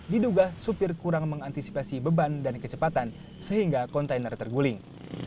diduga supir kurang mengantisipasi beban dan kecepatan sehingga kontainer terguling